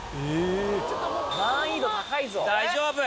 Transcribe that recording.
大丈夫！